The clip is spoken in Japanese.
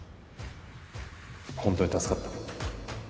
本当に助かった。